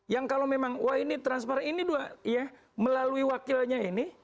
yang kalau memang wah ini transparan ini dua ya melalui wakilnya ini